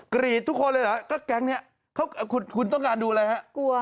กรีดทุกคนเลยเหรอก็แก๊งนี้เขาคุณต้องการดูอะไรฮะ